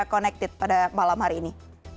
connected pada malam hari ini